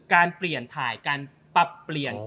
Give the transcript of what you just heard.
การเปลี่ยนถ่ายการปรับเปลี่ยน